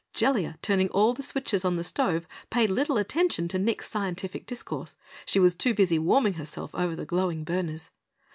Jellia, turning all the switches on the stove, paid little attention to Nick's scientific discourse. She was too busy warming herself over the glowing burners.